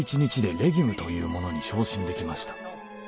「レギュムというものに昇進できました」